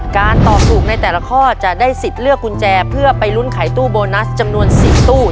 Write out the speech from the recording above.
การตอบถูกในแต่ละข้อจะได้สิทธิ์เลือกกุญแจเพื่อไปลุ้นไขตู้โบนัสจำนวน๔ตู้